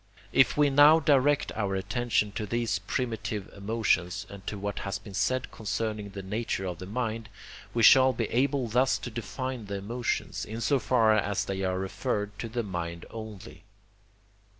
If we now direct our attention to these primitive emotions, and to what has been said concerning the nature of the mind, we shall be able thus to define the emotions, in so far as they are referred to the mind only.